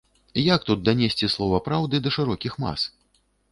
Як тут данесці слова праўды да шырокіх мас?